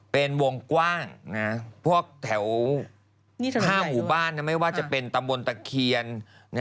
เป็นวงกว้างนะฮะพวกแถวผ้าหมู่บ้านนะไม่ว่าจะเป็นตำบลตะเคียนนะฮะ